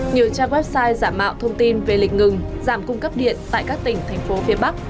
nhiều trang website giả mạo thông tin về lịch ngừng giảm cung cấp điện tại các tỉnh thành phố phía bắc